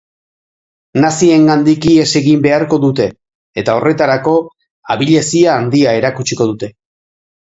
Naziengandik ihes egin beharko dute eta horretarako abilezia handia erakutsiko dute.